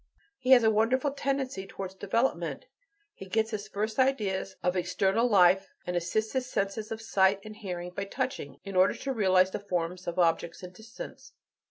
He has a wonderful tendency towards development; he gets his first ideas of external life and assists his senses of sight and hearing by touching, in order to realize the forms of objects and distance.